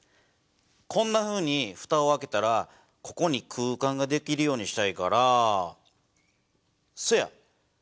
こんなふうにふたを開けたらここに空間ができるようにしたいからそうや。